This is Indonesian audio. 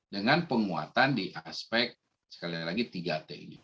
dengan penguatan di aspek sekali lagi tiga t